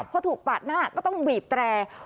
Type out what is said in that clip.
เพราะถูกปากหน้าก็ต้องหวีบแตร